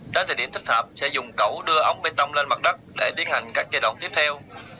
đến thời điểm thích hợp sẽ dùng cẩu đưa ống bê tông lên mặt đất để tiến hành các giai đoạn tiếp theo